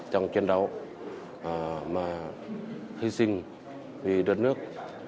trong chiến đấu mà hy sinh vì đất nước